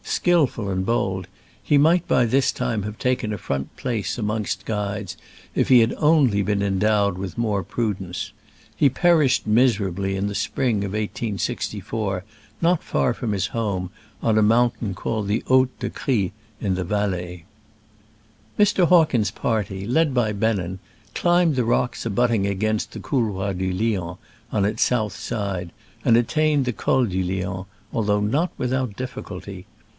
39 skillful and bold, he might by this time have taken a front place amongst guides if he had only been endowed with more prudence. He perished miserably in the spring of 1864 not far from his home, on a mountain called the Haut de Cry, in the Valais. Mr. Hawkins' party, led by Bennen, climbed the rocks ^abutting against the Couloir du Lion on its south side, and attained the Col du Lion, although not without difficulty.